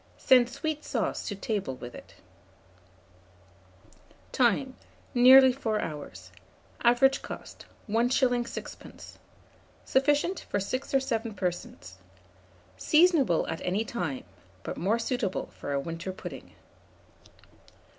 Send sweet sauce to table with it. Time. Nearly 4 hours. Average cost, 1s. 6d. Sufficient for 6 or 7 persons. Seasonable at any time; but more suitable for a winter pudding.